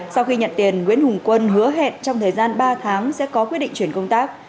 sau khi nhận tiền nguyễn hùng quân hứa hẹn trong thời gian ba tháng sẽ có quyết định chuyển công tác